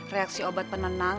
reaksi obat penenang